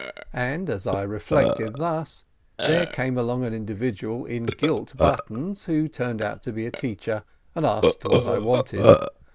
And as I reflected thus, there came along an individual in gilt Buttons, who turned out to be a teacher, and asked what I wanted.